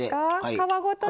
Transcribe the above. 皮ごとね。